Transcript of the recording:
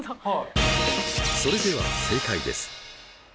それでは正解です。